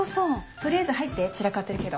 取りあえず入って散らかってるけど。